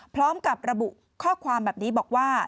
พร้อมกับระบุข้อความแบบนี้บอกว่า